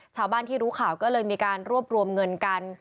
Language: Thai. ชาวบ้านที่รู้ข่าวก็เลยมีการรวบรวมเงินกัน